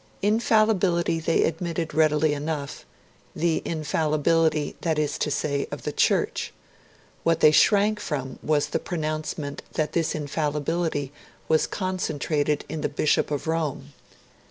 Infallibility they admitted readily enough, the infallibility, that is to say, of the Church; what they shrank from was the pronouncement that this infallibility was concentrated in the Bishop of Rome.